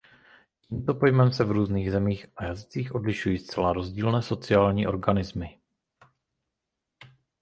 Tímto pojmem se v různých zemích a jazycích odlišují zcela rozdílné sociální organismy.